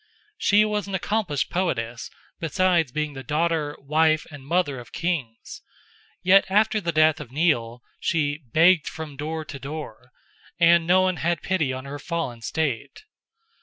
She was an accomplished poetess, besides being the daughter, wife, and mother of king's, yet after the death of Nial she "begged from door to door," and no one had pity on her fallen state.